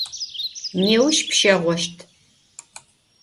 Nêuş pşeğoşt.